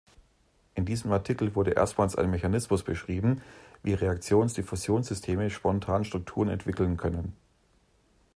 In diesem Artikel wurde erstmals ein Mechanismus beschrieben, wie Reaktions-Diffusions-Systeme spontan Strukturen entwickeln können.